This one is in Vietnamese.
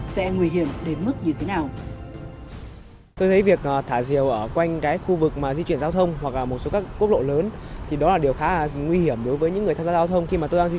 sẽ nguy hiểm đến mức như thế nào